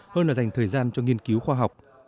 hơn là dành thời gian cho nghiên cứu khoa học